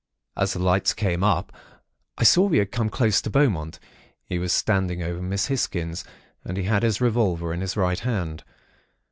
"As the lights came up, I saw we had come close to Beaumont. He was standing over Miss Hisgins, and he had his revolver in his right hand.